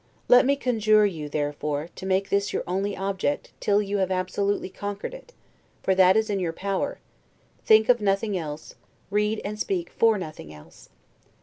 Let me conjure you, therefore, to make this your only object, till you have absolutely conquered it, for that is in your power; think of nothing else, read and speak for nothing else.